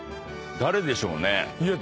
誰でしょうね。